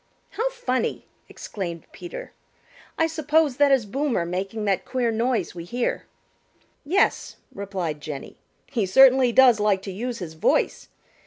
"How funny!" exclaimed Peter. "I suppose that is Boomer making that queer noise we hear." "Yes," replied Jenny. "He certainly does like to use his voice.